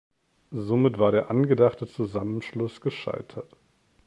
Somit war der angedachte Zusammenschluss gescheitert.